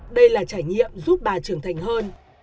đây là trải nghiệm giúp bà trưởng thành hơn